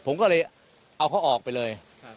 ผมก็เลยเอาเขาออกไปเลย